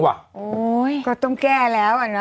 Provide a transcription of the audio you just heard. ก็ต้องแก้แล้วนะ